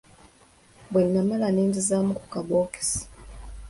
Bwennamala ne nzizzaamu mu kabokisi.